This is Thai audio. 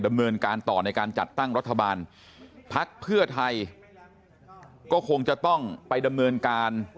เนินการต่อในการจัดตั้งรัฐบาลพักเพื่อไทยก็คงจะต้องไปดำเนินการ